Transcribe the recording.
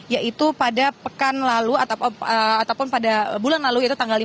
yaitu pada pekan lalu ataupun pada bulan lalu yaitu tanggal lima